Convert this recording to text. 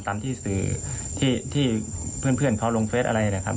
ตามที่สื่อที่เพื่อนเขาลงเฟสอะไรนะครับ